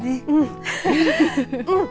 うん。